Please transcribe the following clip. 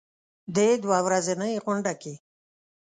دې دوه ورځنۍ غونډه کې